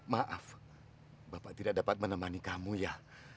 maaf bapak tidak dapat menemani kamu ya